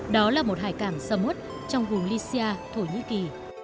đó là một hải cảng xâm hút trong vùng lycia thổ nhĩ kỳ